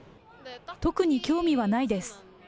特に興味はないです。